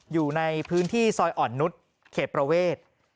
อยู่ในพื้นที่ซอยอ่อนนุษย์เขตประเวท